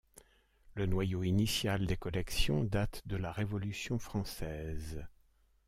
Le noyau initial des collections date de la Révolution française.